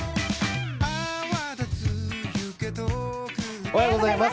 おはようございます。